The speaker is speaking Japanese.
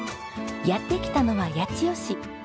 やって来たのは八千代市。